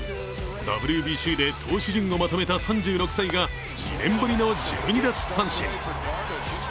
ＷＢＣで投手陣をまとめた３６歳が２年ぶりの１２奪三振。